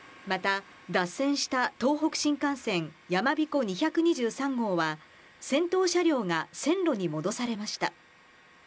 また、脱線した東北新幹線やまびこ２２３号は、先頭車両が線路に戻されました。